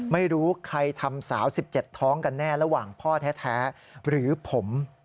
ไม่รู้ใครทำสาว๑๗ท้องกันแน่ระหว่างพ่อแท้หรือผม